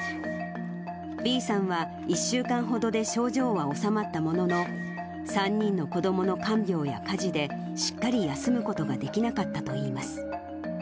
Ｂさんは、１週間ほどで症状は治まったものの、３人の子どもの看病や家事で、しっかり休むことができなかったといいます。